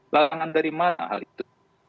lagangan dari mahal itu